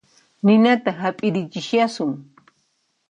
Ninata hap'irichishasun